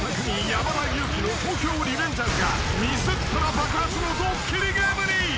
山田裕貴の『東京リベンジャーズ』がミスったら爆発のドッキリゲームに］